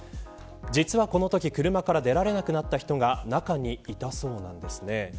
実はこのとき車から出られなくなった人が中にいたそうなんですね。